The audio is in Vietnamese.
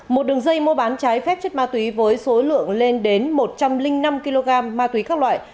một đường dây mua bán trái phép chất ma túy với số lượng lên đến một trăm linh năm kg ma túy các loại